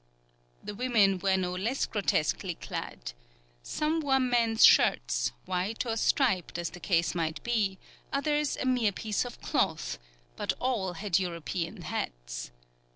The women were no less grotesquely clad. Some wore men's shirts, white or striped as the case might be, others a mere piece of cloth; but all had European hats.